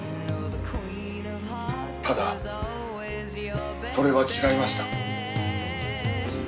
ただそれは違いました。